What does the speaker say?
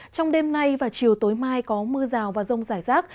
trong đêm nay và chiều tối mai có mưa rào và rông rải rác